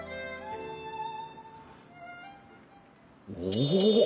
お！